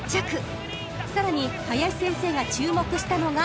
［さらに林先生が注目したのがタイム］